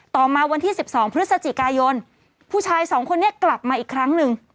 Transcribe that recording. ต่อมาวันที่๑๒พฤศจิกายนผู้ชายสองคนนี้กลับมาอีกครั้งหนึ่ง